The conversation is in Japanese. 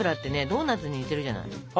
ドーナツに似てるじゃない。